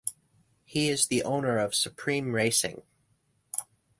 He is the owner of Supreme Racing.